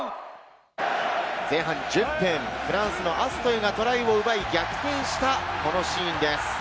前半１０分、フランスのアストイがトライを奪い逆転したこのシーンです。